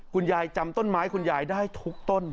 คุณยายจำต้นไม้คุณยายได้ทุกต้น